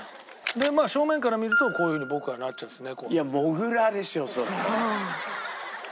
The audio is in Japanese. で正面から見るとこういうふうに僕はなっちゃうんです猫は。